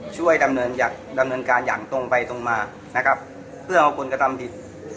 ช่วยดำเนินการอย่างตรงไปตรงมาการเป็นคนจะทำผิด